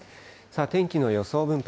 天気の予想分布